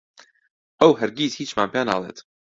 ئەو هەرگیز هیچمان پێ ناڵێت.